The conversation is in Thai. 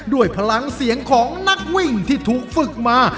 พลังเสียงของนักวิ่งที่ถูกฝึกมา